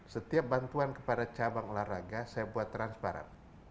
setiap bantuan kepada cabang olahraga saya buat transparan